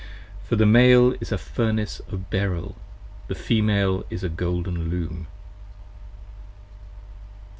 For the Male is a Furnace of beryll : the Female is a golden Loom.